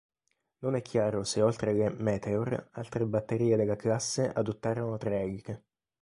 Non è chiaro se oltre alla "Meteor" altre batterie della classe adottarono tre eliche.